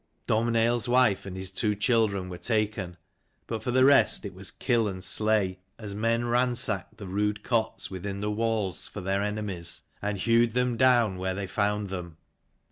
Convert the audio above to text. DomhnailPs wife and his two children were taken; but for the rest it was kill and slay, as men ransacked the rude cots within the walls for 298 their enemies, and hewed them down where they found them.